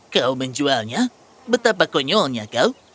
kau menjualnya betapa konyolnya kau